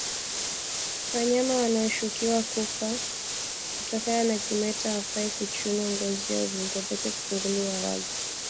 Wanyama wanaoshukiwa kufa kutokana na kimeta hawafai kuchunwa ngozi au viungo vyake kufunguliwa wazi